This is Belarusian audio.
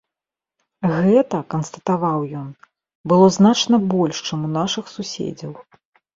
Гэта, канстатаваў ён, было значна больш, чым у нашых суседзяў.